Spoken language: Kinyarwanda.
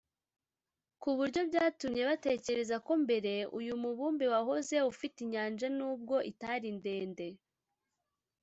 ku buryo byatumye batekereza ko mbere uyu mubumbe wahoze ufite inyanja nubwo itari ndende